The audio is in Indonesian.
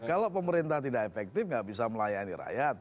kalau pemerintah tidak efektif nggak bisa melayani rakyat